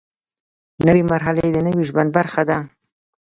نوې مرحله د نوي ژوند برخه ده